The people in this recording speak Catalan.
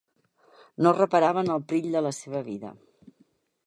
No reparava en el perill de la seva vida.